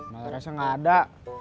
mbak larasnya nggak ada